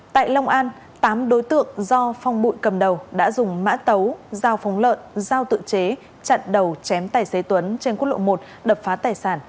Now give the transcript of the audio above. tại long an tám đối tượng do phong bụi cầm đầu đã dùng mã tấu dao phóng lợn dao tự chế chặn đầu chém tài xế tuấn trên quốc lộ một đập phá tài sản